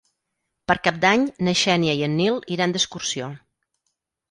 Per Cap d'Any na Xènia i en Nil iran d'excursió.